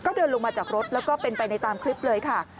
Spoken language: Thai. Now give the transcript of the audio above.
ก็เดินลงมาจากรถแล้วก็เป็นไปในตามคลิปเลยค่ะ